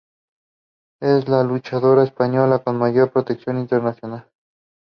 She wrote in Latin and the letter is well crafted and extant.